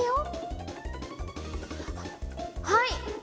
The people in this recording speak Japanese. はい！